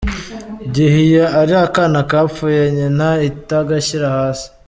gihe iyo ari akana kapfuye nyina itagashyira hasi.